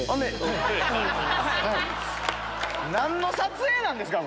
なんの撮影なんですか。